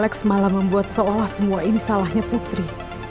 alex malah membuat seolah semua ini salahnya putri